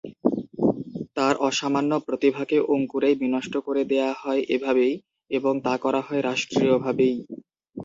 তার অসামান্য প্রতিভাকে অঙ্কুরেই বিনষ্ট করে দেয়া হয় এভাবেই এবং তা করা হয় রাষ্ট্রীয়ভাবেই।